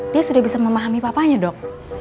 dia sudah bisa memahami papanya dok